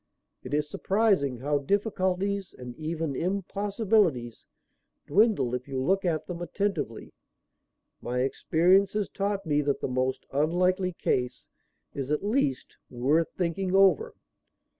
It is surprising how difficulties, and even impossibilities, dwindle if you look at them attentively. My experience has taught me that the most unlikely case is, at least, worth thinking over."